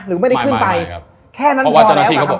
หรือไม่ได้ขึ้นไปแค่นั้นก่อนแล้วก็ได้คำตอบ